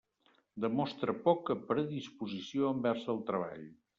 Demostra poca predisposició envers el treball.